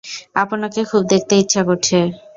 আপনাকে খুব দেখতে ইচ্ছে করছে।